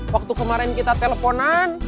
waktu kemarin kita teleponan